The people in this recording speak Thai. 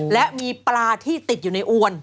และมีปลาที่ติดอยู่ในอวน